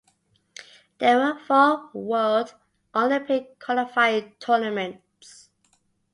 There were four World Olympic Qualifying Tournaments.